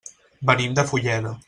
Venim de Fulleda.